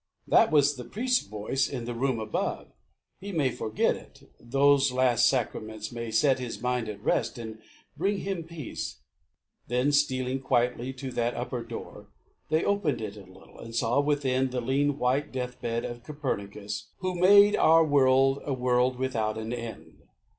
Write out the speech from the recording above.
That was the priest's voice in the room above. He may forget it. Those last sacraments May set his mind at rest, and bring him peace." Then, stealing quietly to that upper door, They opened it a little, and saw within The lean white deathbed of Copernicus Who made our world a world without an end.